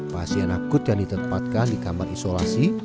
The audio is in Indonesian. pasien akut yang ditempatkan di kamar isolasi